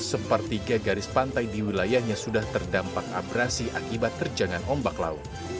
sepertiga garis pantai di wilayahnya sudah terdampak abrasi akibat terjangan ombak laut